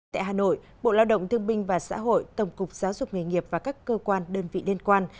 tại hà nội bộ lao động thương binh và xã hội tổng cục giáo dục nghề nghiệp và các cơ quan đơn vị liên quan